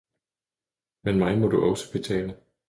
Men mig må du også betale!